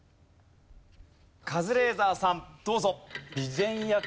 カズレーザーさんどうぞ。